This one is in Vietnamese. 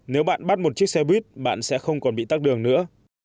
nếu bạn bắt một chiếc xe buýt bạn sẽ không còn bị tắt đường nữa